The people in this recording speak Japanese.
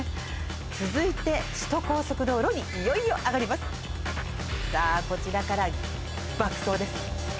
続いて首都高速道路にいよいよあがりますさあこちらから爆走です